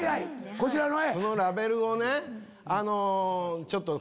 こちらのね。